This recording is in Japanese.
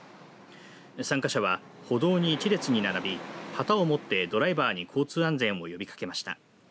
参加者は歩道に一列に並び旗を持ってドライバーに交通安全を呼びかけました。